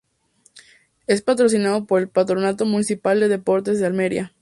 Es patrocinado por el Patronato Municipal de Deportes de Almería.